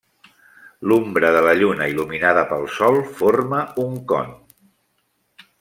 L'umbra de la lluna, il·luminada pel sol, forma un con.